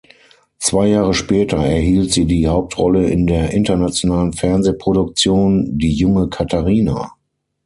Zwei Jahre später erhielt sie die Hauptrolle in der internationalen Fernsehproduktion "Die junge Katharina".